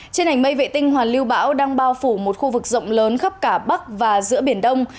trên hành mây vệ tinh hoàn lưu bão đang bao phủ một khu vực rộng lớn khắp cả bắc và giữa biển đông